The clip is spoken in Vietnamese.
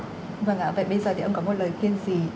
vâng ạ vậy bây giờ thì ông có một lời khuyên gì